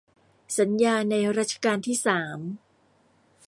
สัญญาในรัชกาลที่สาม